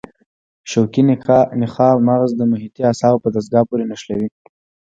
شوکي نخاع مغز د محیطي اعصابو په دستګاه پورې نښلوي.